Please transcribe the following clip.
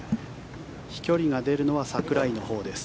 飛距離が出るのは櫻井のほうです。